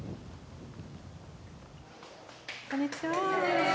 こんにちは。